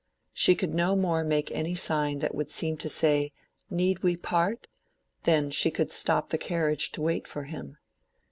She could no more make any sign that would seem to say, "Need we part?" than she could stop the carriage to wait for him.